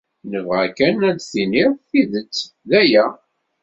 Nebɣa kan ad d-tiniḍ tidet, d aya.